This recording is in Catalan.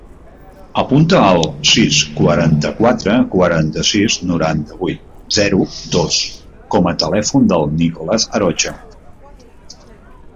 Apunta el sis, quaranta-quatre, quaranta-sis, noranta-vuit, zero, dos com a telèfon del Nicolàs Arocha.